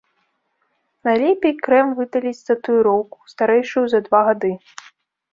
Найлепей крэм выдаліць татуіроўку, старэйшую за два гады.